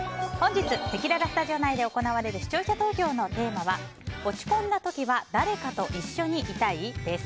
せきららスタジオ内で行われる視聴者投票のテーマは落ち込んだ時は誰かと一緒にいたい？です。